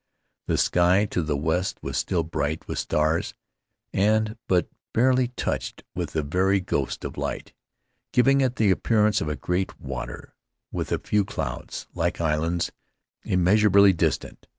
The sky to the west was still bright with stars and but barely touched with the very ghost of light, giving it the appearance of a great water, with a few clouds, like islands, immeasurably distant.